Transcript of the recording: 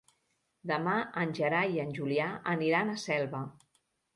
Demà en Gerai i en Julià aniran a Selva.